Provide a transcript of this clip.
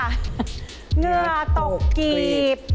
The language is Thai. เหงื่อตกกีบ